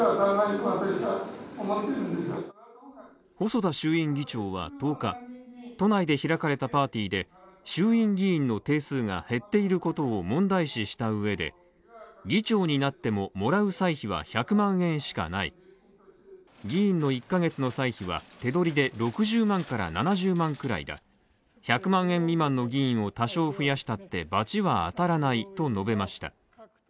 細田衆院議長は１０日都内で開かれたパーティーで衆院議員の定数が減っていることを問題視したうえで議長になってももらう歳費は１００万円しかない、議員の１カ月の歳費は手取りで６０万から７０万くらいだ、１００万円未満の議員を多少増やしたってバチは当たらないと述べました。